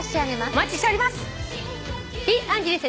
お待ちしております。